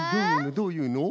どういうの？